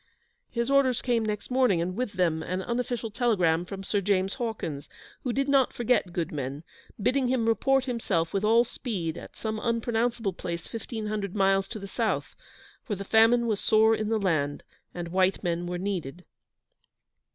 His orders came next morning, and with them an unofficial telegram from Sir James Hawkins, who did not forget good men, bidding him report himself with all speed at some unpronounceable place fifteen hundred miles to the south, for the famine was sore in the land, and white men were needed.